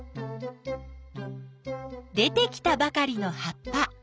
出てきたばかりの葉っぱ。